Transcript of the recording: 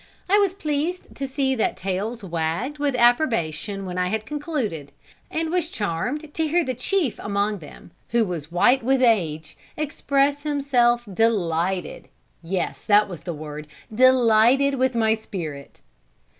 I was pleased to see that tails wagged with approbation when I had concluded, and was charmed to hear the chief among them, who was white with age, express himself delighted, yes, that was the word, delighted with my spirit.